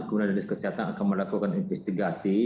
kemudian dinas kesehatan akan melakukan investigasi